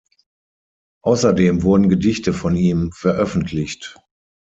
Außerdem wurden Gedichte von ihm veröffentlicht.